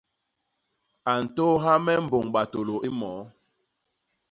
A ntôôha me mbôñ batôlô ni moo.